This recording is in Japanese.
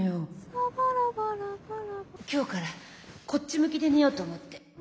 「サバラバラバラバ」今日からこっち向きで寝ようと思って。